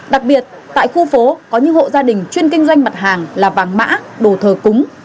đặc biệt tại khu phố có những hộ gia đình chuyên kinh doanh mặt hàng là vàng mã đồ thờ cúng